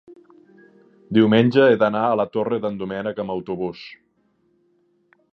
Diumenge he d'anar a la Torre d'en Doménec amb autobús.